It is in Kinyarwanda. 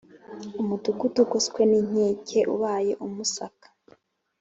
Umudugudu ugoswe n inkike ubaye umusaka